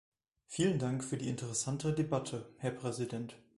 Vielen Dank für die interessante Debatte, Herr Präsident.